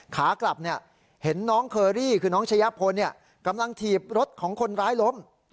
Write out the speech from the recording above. ขากลับเห็นน้องเคอรี่คือน้องชะยะพลกำลังถีบรถของคนร้ายล้ม